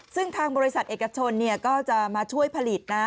ซึ่งทางบริษัทเอกชนก็จะมาช่วยผลิตนะ